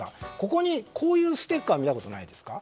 ここに、こういうステッカー見たことないですか？